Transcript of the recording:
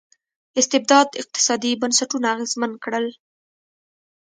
استبداد اقتصادي بنسټونه اغېزمن کړل.